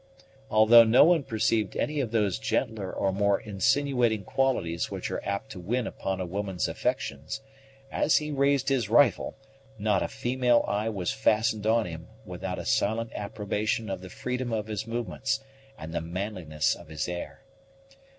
Although no one perceived any of those gentler or more insinuating qualities which are apt to win upon a woman's affections, as he raised his rifle not a female eye was fastened on him without a silent approbation of the freedom of his movements and the manliness of his air.